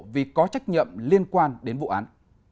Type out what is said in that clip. vì có trách nhiệm liên quan đến vụ án